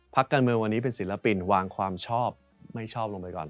การเมืองวันนี้เป็นศิลปินวางความชอบไม่ชอบลงไปก่อน